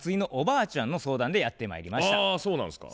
あそうなんですか。